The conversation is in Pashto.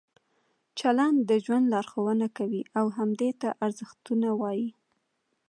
چلند د ژوند لارښوونه کوي او همدې ته ارزښتونه وایي.